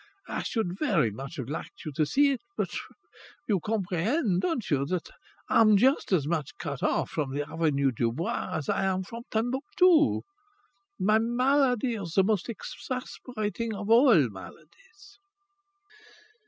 I should very much have liked you to see it; but you comprehend, don't you, that I'm just as much cut off from the Avenue du Bois as I am from Timbuctoo. My malady is the most exasperating of all maladies."